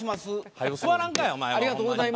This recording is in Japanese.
早う座らんかい！